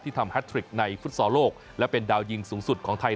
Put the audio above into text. ทำแฮทริกในฟุตซอลโลกและเป็นดาวยิงสูงสุดของไทย